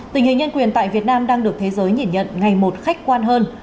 tình hình nhân quyền tại việt nam đang được thế giới nhìn nhận ngày một khách quan hơn